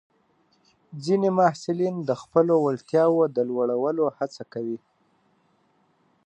ځینې محصلین د خپلو وړتیاوو د لوړولو هڅه کوي.